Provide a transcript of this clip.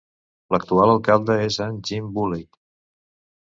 L'actual alcalde és en Jim Bouley.